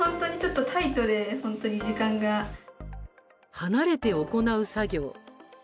離れて行う作業。